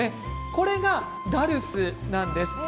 これがダルスなんです。